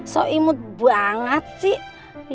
so imut banget sih